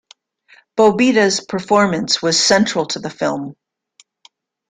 Bobita's performance was central to the film.